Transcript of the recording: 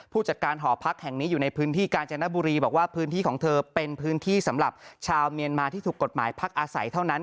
ผู้จัดการหอพักแห่งนี้อยู่ในพื้นที่กาญจนบุรีบอกว่าพื้นที่ของเธอเป็นพื้นที่สำหรับชาวเมียนมาที่ถูกกฎหมายพักอาศัยเท่านั้น